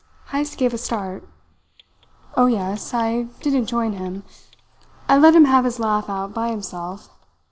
Heyst gave a start. "Oh, yes. I didn't join him. I let him have his laugh out by himself.